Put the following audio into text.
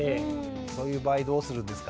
そういう場合どうするんですか？